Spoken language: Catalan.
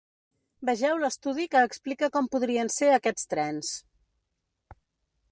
Vegeu l’estudi que explica com podrien ser aquests trens.